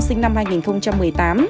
sinh năm hai nghìn một mươi tám